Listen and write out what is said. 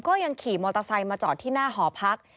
ก็ยังขี่มอเตอร์ไซค์มาจอดที่หน้าหอพัก